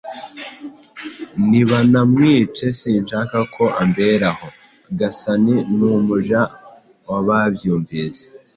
Nibanamwice sinshaka ko ambera aho!" Gasani n'umuja we babyumvise,